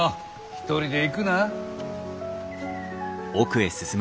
一人で行くな。